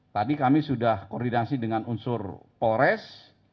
tadi kami sudah koordinasi dengan unsur polres